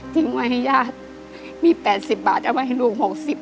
ทิ้งไว้ญาติมี๘๐บาทเอาไว้ลูก๖๐